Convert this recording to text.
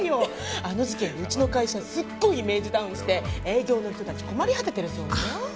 あの事件でうちの会社すっごいイメージダウンして営業の人たち困り果ててるそうよ。